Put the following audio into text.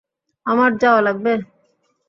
আমার যাওয়া লাগবে।